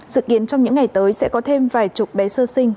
dự kiến trong những ngày tới sẽ có thêm vài chục bé sơ sinh